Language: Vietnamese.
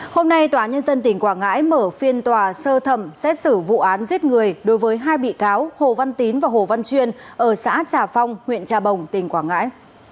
hôm nay tòa nhân dân tỉnh quảng ngãi mở phiên tòa sơ thẩm xét xử vụ án giết người đối với hai bị cáo hồ văn tín và hồ văn chuyên ở xã trà phong huyện trà bồng tỉnh quảng ngãi